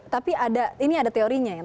tapi ini ada teorinya ya